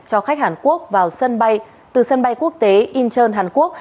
cho khách hàn quốc vào sân bay từ sân bay quốc tế incheon hàn quốc